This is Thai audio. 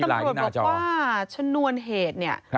ตำรวจบอกว่าชนวนเหตุเนี่ย